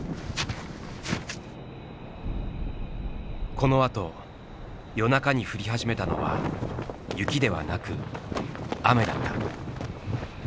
このあと夜中に降り始めたのは雪ではなく雨だった。